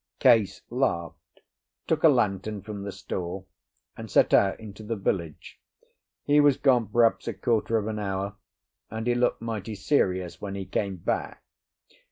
Case laughed, took a lantern from the store, and set out into the village. He was gone perhaps a quarter of an hour, and he looked mighty serious when he came back.